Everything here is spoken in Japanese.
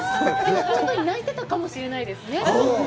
泣いてたかもしれないですね。